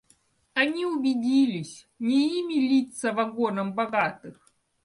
Они убедились — не ими литься вагонам богатых.